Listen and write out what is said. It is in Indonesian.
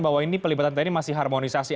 bahwa ini pelibatan tni masih harmonisasi